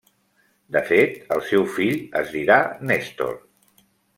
De fet, el seu fill es dirà Nèstor.